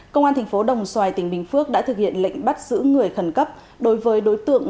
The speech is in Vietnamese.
công an thành phố đồng xoài tỉnh bình phước đã thực hiện lệnh bắt giữ người khẩn cấp đối với đối tượng